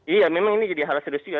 iya memang ini jadi hal serius juga